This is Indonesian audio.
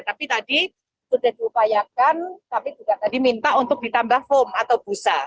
tapi tadi sudah diupayakan kami juga tadi minta untuk ditambah foam atau busa